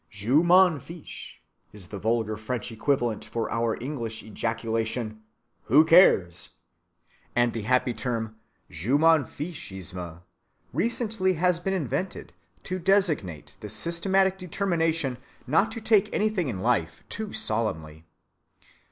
Je m'en fiche is the vulgar French equivalent for our English ejaculation "Who cares?" And the happy term je m'en fichisme recently has been invented to designate the systematic determination not to take anything in life too solemnly.